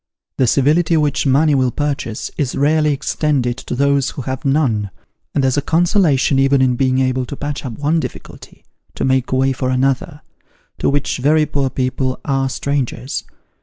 The civility which money will purchase, is rarely extended to those who have none ; and there's a consolation even in being able to patch up one difficulty, to make way for another, to which very poor people are strangers.